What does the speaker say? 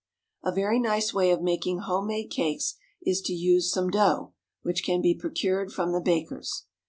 A very nice way of making home made cakes is to use some dough, which can be procured from the baker's.